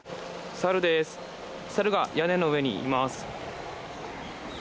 猿が屋根の上にいます。